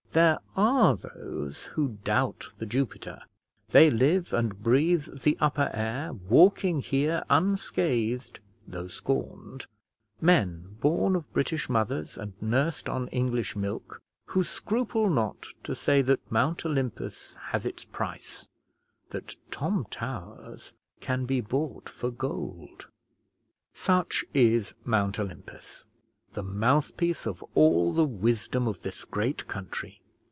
There are those who doubt The Jupiter! They live and breathe the upper air, walking here unscathed, though scorned, men, born of British mothers and nursed on English milk, who scruple not to say that Mount Olympus has its price, that Tom Towers can be bought for gold! Such is Mount Olympus, the mouthpiece of all the wisdom of this great country.